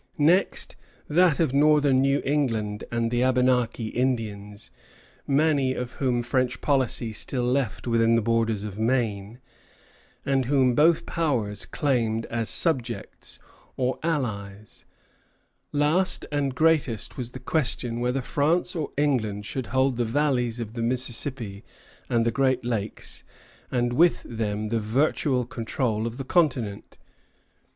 Next, that of northern New England and the Abenaki Indians, many of whom French policy still left within the borders of Maine, and whom both powers claimed as subjects or allies. Last and greatest was the question whether France or England should hold the valleys of the Mississippi and the Great Lakes, and with them the virtual control of the continent.